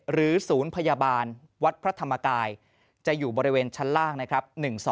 หรือศูนย์พยาบาลวัดพระธรรมกายจะอยู่บริเวณชั้นล่างนะครับ